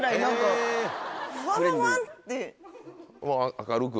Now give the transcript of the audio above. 明るく？